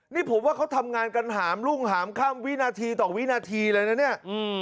นี่ผมว่าเขาทำงานกำหาลุ้งหาลข้ามวินาทีต่อกวินาทีเลย